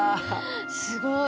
すごい。